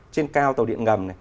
trên cao tàu điện ngầm